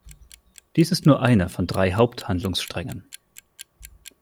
Dies ist nur einer von drei Haupt-Handlungssträngen.